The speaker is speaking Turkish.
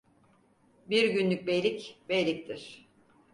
Bir günlük beylik, beyliktir.